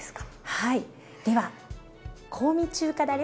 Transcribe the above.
はい。